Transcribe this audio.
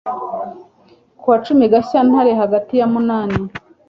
ku wa cumi gashyantare hagati ya munani